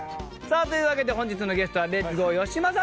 というわけで本日のゲストはレッツゴーよしまさ